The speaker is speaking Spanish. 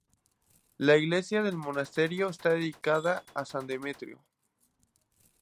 La iglesia del monasterio está dedicada a San Demetrio.